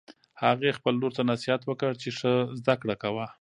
هغې خپل لور ته نصیحت وکړ چې ښه زده کړه کوه